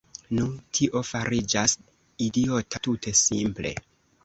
Nu, tio fariĝas idiota tute simple.